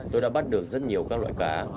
tôi đã bắt được rất nhiều các loại cá